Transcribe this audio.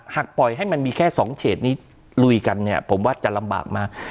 หากปล่อยให้มันมีแค่๒เฉดนี้ลุยกันเนี่ยผมว่าจะลำบากมาก